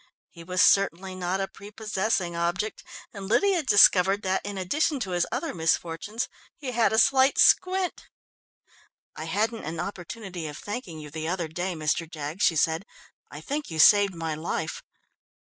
He was certainly not a prepossessing object, and Lydia discovered that, in addition to his other misfortunes, he had a slight squint. "I hadn't an opportunity of thanking you the other day, Mr. Jaggs," she said. "I think you saved my life."